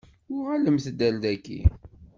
Uɣalemt-d ar daki.